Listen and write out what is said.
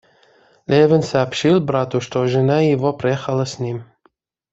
Левин сообщил брату, что жена его приехала с ним.